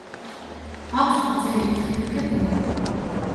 აქვს გრძელი ფრთები და ბოლო.